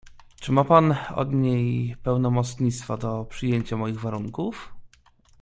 "Czy ma pan od niej pełnomocnictwo do przyjęcia moich warunków?"